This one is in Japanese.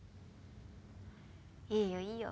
いいよいいよ